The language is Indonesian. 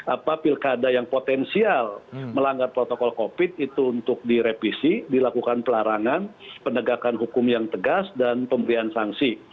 apa pilkada yang potensial melanggar protokol covid itu untuk direvisi dilakukan pelarangan penegakan hukum yang tegas dan pemberian sanksi